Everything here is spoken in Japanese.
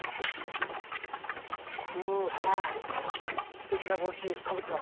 すてきな帽子かぶってますね。